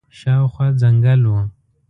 شاوخوا جنګل وو.